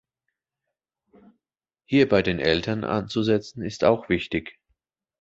Hier bei den Eltern anzusetzen, ist auch wichtig.